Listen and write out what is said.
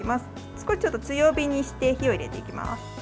少し強火にして火を入れていきます。